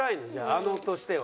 あのとしては。